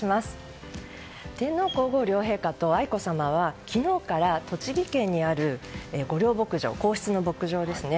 天皇・皇后両陛下と愛子さまは昨日から栃木県にある御料牧場皇室の牧場ですね。